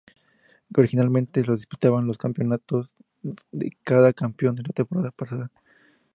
Originalmente lo disputaban los campeones de cada y el campeón de la temporada pasada.